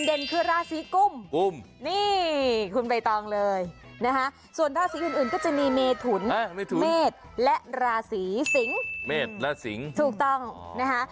เด่นคือราศีกุ้มนี่คุณใบตองเลยนะคะส่วนราศีอื่นก็จะมีเมถุนเมธและราศีสิงถูกต้องนะคะ